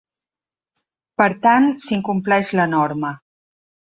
Per tant, s’incompleix la norma.